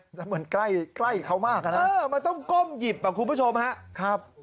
เหมือนใกล้เขามากอะนะมันต้องก้มหยิบอะคุณผู้ชมฮะ